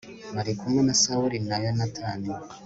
bari kumwe na sawuli na yonatani